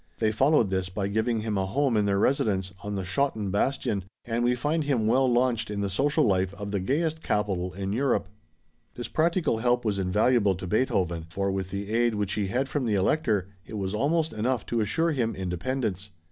They followed this by giving him a home in their residence on the Schotten bastion, and we find him well launched in the social life of the gayest capital in Europe. This practical help was invaluable to Beethoven, for with the aid which he had from the Elector, it was almost enough to assure him independence.